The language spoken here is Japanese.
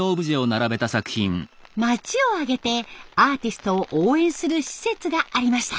町を挙げてアーティストを応援する施設がありました。